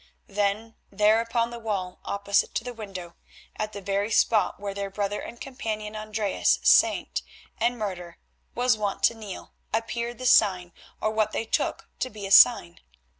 Then, there upon the wall opposite to the window, at the very spot where their brother and companion, Andreas, saint and martyr, was wont to kneel, appeared the sign, or what they took to be a sign.